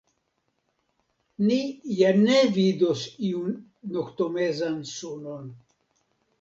Ni ja ne vidos iun noktomezan sunon.